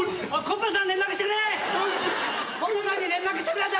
コパさんに連絡してくれ。